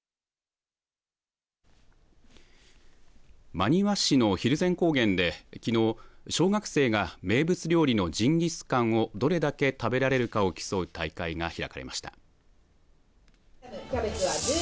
真庭市の蒜山高原できのう小学生が名物料理のジンギスカンをどれだけ食べられるかを競う大会が開かれました。